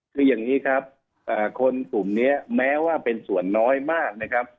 คืออย่างนี้ครับคนกลุ่มนี้แม้ว่าเป็นส่วนน้อยมากนะครับ